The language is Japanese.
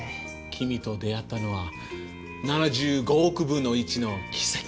君と出会ったのは７５億分の１の奇跡。